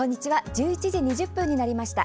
１１時２０分になりました。